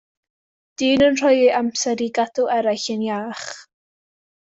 Dyn yn rhoi ei amser i gadw eraill yn iach.